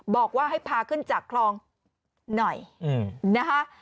บอกว่าให้พาขึ้นจากคลองหน่อยนะคะ